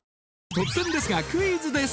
突然ですがクイズです